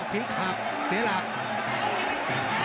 พลิกสีหลัก